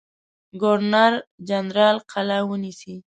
ګورنر جنرال قلا ونیسي.